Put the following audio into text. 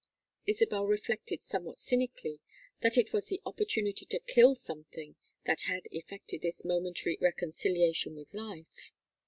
Isabel reflected somewhat cynically that it was the opportunity to kill something that had effected this momentary reconciliation with life.